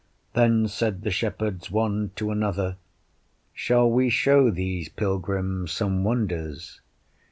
Then said the shepherds one to another, Shall we show these pilgrims some wonders?